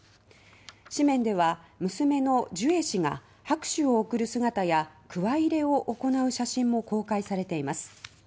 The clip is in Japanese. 紙面では娘のジュエ氏が拍手を送る姿や鍬入れを行う写真も公開されています。